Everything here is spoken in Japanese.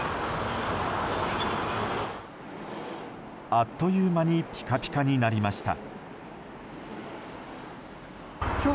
あっという間にピカピカになりました。